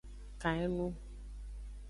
Kan enu.